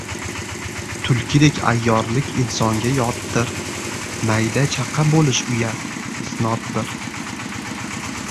Tulkidek ayyorlik insonga yotdir. Mayda chaqa bo‘lish uyat, isnoddir.